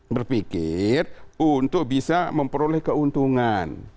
berpikir untuk bisa memperoleh keuntungan